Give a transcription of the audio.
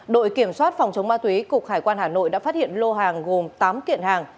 đội kiểm soát phòng chống ma túy cục hải quan hà nội đã phát hiện lô hàng gồm tám kiện hàng